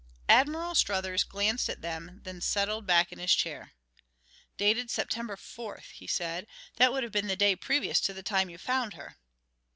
Admiral Struthers glanced at them, then settled back in his chair. "Dated September fourth," he said. "That would have been the day previous to the time you found her."